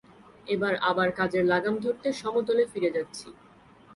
এবার আবার কাজের লাগাম ধরতে সমতলে ফিরে যাচ্ছি।